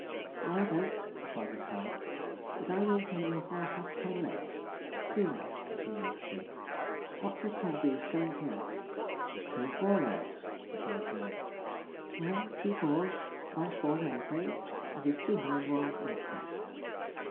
'No, I don't,' replied Miss Howard; 'but I maintain your horse has ten legs. See, now!' continued she, 'what do you call these coming here?' 'His two forelegs,' replied George. 'Well, two fours twice four's eight, eh? and his two hind ones make ten.'